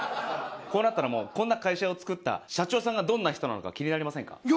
こうなったらもうこんな会社をつくった社長さんがどんな人なのか気になりませんか？